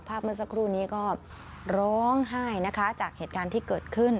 เมื่อสักครู่นี้ก็ร้องไห้นะคะจากเหตุการณ์ที่เกิดขึ้น